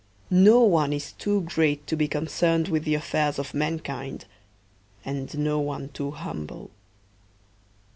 No one is too great to be concerned with the affairs of mankind, and no one too humble.